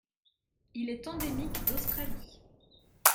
Il est endémique d'Australie.